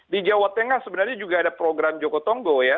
di jawa tengah sebenarnya juga ada program jokotongo ya